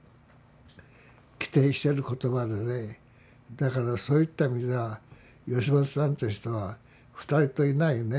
だからそういった意味では吉本さんという人は二人といないね